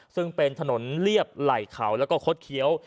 ซึ่งเป็นถนนเรียบไหล่เขาแล้วก็คดเคี้ยว